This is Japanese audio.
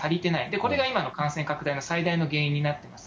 これが今の感染拡大の最大の原因になってます。